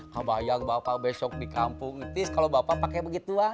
kak bayang bapak besok di kampung tis kalo bapak pake begituan